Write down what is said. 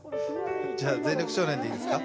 じゃあ、「全力少年」でいいですか？